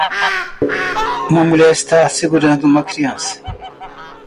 Uma mulher está segurando uma criança